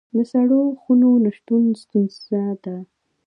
د سړو خونو نشتون ستونزه ده